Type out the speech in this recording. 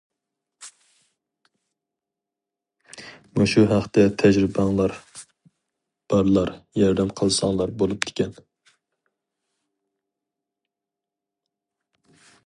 مۇشۇ ھەقتە تەجرىبەڭلار بارلار ياردەم قىلساڭلار بولۇپتىكەن.